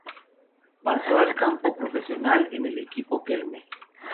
Pasó al campo profesional en el equipo Kelme.